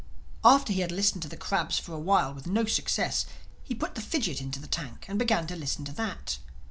After he had listened to the crabs for a while with no success, he put the fidgit into the tank and began to listen to that.